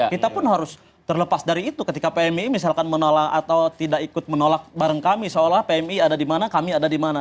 kita pun harus terlepas dari itu ketika pmi misalkan menolak atau tidak ikut menolak bareng kami seolah pmi ada di mana kami ada di mana